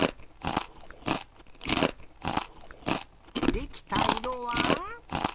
できたいろは？